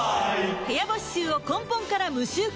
部屋干し臭を根本から無臭化